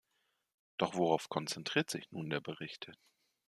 Doch worauf konzentriert sich nun der Bericht?